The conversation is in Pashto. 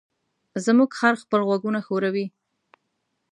زموږ خر خپل غوږونه ښوروي.